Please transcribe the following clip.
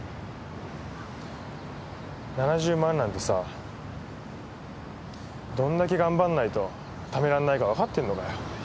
７０万なんてさどんだけ頑張んないとためらんないか分かってんのかよ。